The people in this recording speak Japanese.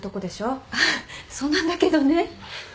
あっそうなんだけどね。